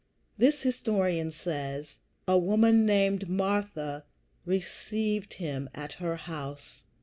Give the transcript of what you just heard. This historian says: "A woman named Martha received him at her house."